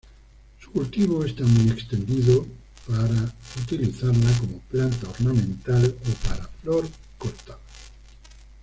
Su cultivo está muy extendido para utilizarla como planta ornamental o para flor cortada.